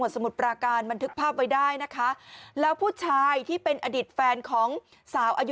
สมุทรปราการบันทึกภาพไว้ได้นะคะแล้วผู้ชายที่เป็นอดีตแฟนของสาวอายุ